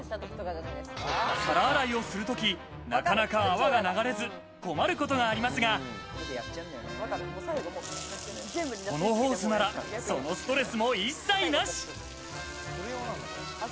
皿洗いをするとき、なかなか泡が流れず、困ることがありますが、このホースならそのストレスも一切なし。